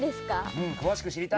うん詳しく知りたい。